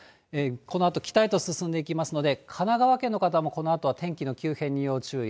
このあと、北へと進んでいきますので、神奈川県の方も、このあと、天気の急変に要注意。